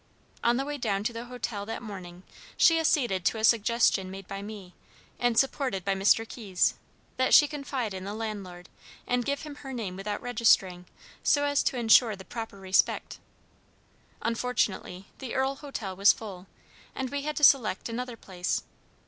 On the way down to the hotel that morning she acceded to a suggestion made by me, and supported by Mr. Keyes, that she confide in the landlord, and give him her name without registering, so as to ensure the proper respect. Unfortunately, the Earle Hotel was full, and we had to select another place.